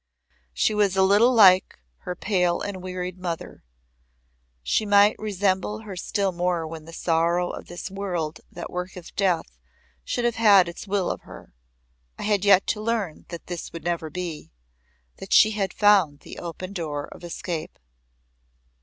She was a little like her pale and wearied mother. She might resemble her still more when the sorrow of this world that worketh death should have had its will of her. I had yet to learn that this would never be that she had found the open door of escape.